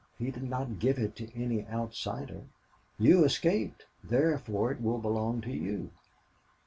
He did not give it to any outsider. You escaped. Therefore it will belong to you."